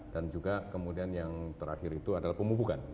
dan juga kemudian yang terakhir itu adalah pemubukan